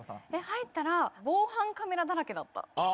入ったら防犯カメラだらけだったああ